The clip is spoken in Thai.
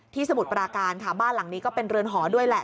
สมุทรปราการค่ะบ้านหลังนี้ก็เป็นเรือนหอด้วยแหละ